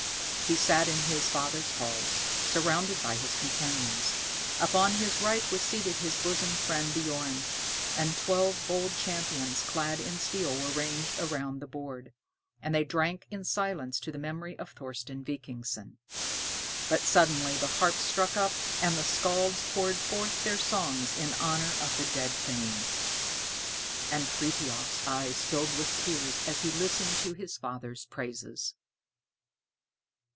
He sat in his father's halls, surrounded by his companions; upon his right was seated his bosom friend Bjorn, and twelve bold champions clad in steel were ranged around the board. And they drank in silence to the memory of Thorsten Vikingsson. But suddenly the harps struck up, and the skalds poured forth their songs in honor of the dead thane. And Frithiof's eyes filled with tears as he listened to his father's praises.